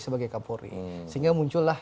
sebagai kapolri sehingga muncul